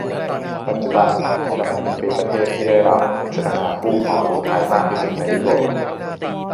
ปัจจุบัน เยอรมนีเป็นประเทศที่รับพิจารณาผู้ขอลี้ภัยมากที่สุดในยุโรป